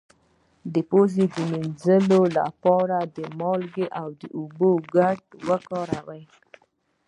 د پوزې د مینځلو لپاره د مالګې او اوبو ګډول وکاروئ